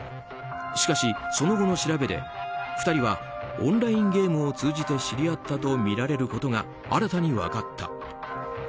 しかしその後の調べで２人はオンラインゲームを通じて知り合ったとみられることが新たに分かった。